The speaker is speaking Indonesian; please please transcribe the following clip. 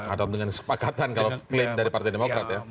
atau dengan sepakatan kalau klien dari partai demokrat ya